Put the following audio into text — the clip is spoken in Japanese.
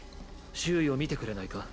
周囲を見てくれないか？